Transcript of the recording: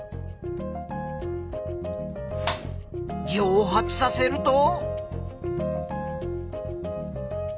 蒸発させると。